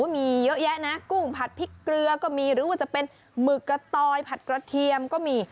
มีเยอะแยะนะกุ้งผัดพริกเกลือก็มีหรือว่าจะเป็นหมึกกระตอยผัดกระเทียมก็มี